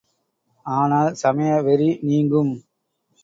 ஆனால், சமய வெறி நீங்கும்.